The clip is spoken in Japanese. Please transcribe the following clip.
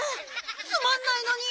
つまんないのに！